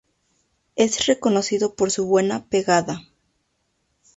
Es reconocido por su buena pegada.